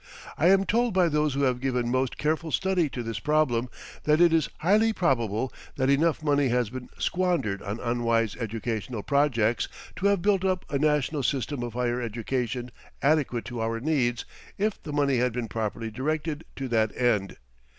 I am told by those who have given most careful study to this problem that it is highly probable that enough money has been squandered on unwise educational projects to have built up a national system of higher education adequate to our needs if the money had been properly directed to that end.